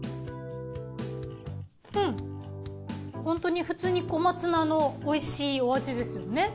うんホントに普通に小松菜のおいしいお味ですよね。